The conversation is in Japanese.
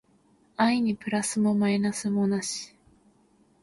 愛にプラスもマイナスもなし